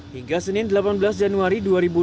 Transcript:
hingga senin delapan belas januari dua ribu dua puluh